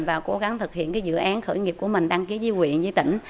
và cố gắng thực hiện dự án khởi nghiệp của mình đăng ký với huyện với tỉnh